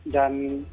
dan di bahas